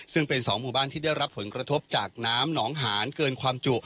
ซึ่งเป็น๒หมู่บ้านที่ได้รับผลกระทบจากน้ำหนองหานเกินความจุ